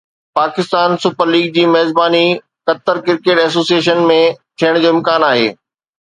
Pakistan Super League جي ميزباني Qatar cricket association ۾ ٿيڻ جو امڪان آهي